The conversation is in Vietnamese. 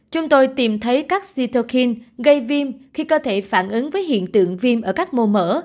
chúng tôi tìm thấy các citokin gây viêm khi cơ thể phản ứng với hiện tượng viêm ở các mô mở